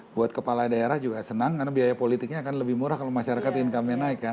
buat kepala daerah juga senang karena biaya politiknya akan lebih murah kalau masyarakat income nya naik kan